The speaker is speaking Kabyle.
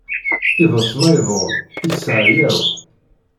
Iḍes ma iḍul isseɛyaw.